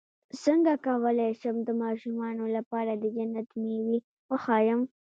څنګه کولی شم د ماشومانو لپاره د جنت مېوې وښایم